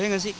iya gak sih